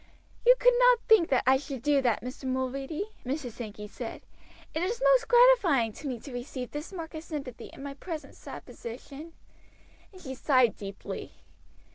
"You could not think I should do that, Mr. Mulready," Mrs. Sankey said. "It is most gratifying to me to receive this mark of sympathy in my present sad position;" and she sighed deeply.